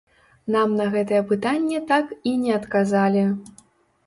Нам на гэтае пытанне так і не адказалі.